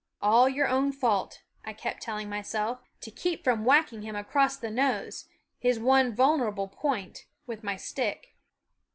" All your own fault," I kept telling myself, to keep from whack ing him across the nose, his one vulnerable point, with my stick.